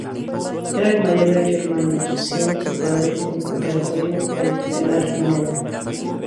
Era el mayor de ocho hermanos, siendo su padre un operario de telar manual.